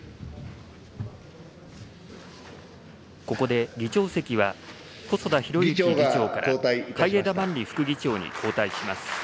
ここで議長席は、細田博之議長から海江田万里副議長に交代します。